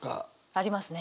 ありますね。